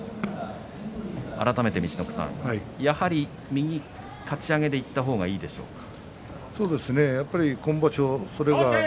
改めて、陸奥さんやはり右かち上げでいった方がいいでしょうか。